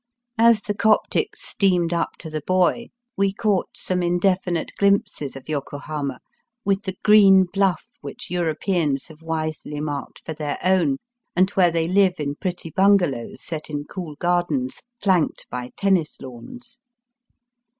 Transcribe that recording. As the Coptic steamed up to the buoy we caught some indefinite glimpses of Yokohama with the green Bluff which Europeans have wisely marked for their own, and where they live in pretty bungalows set in cool gardens, flanked by tennis lawns.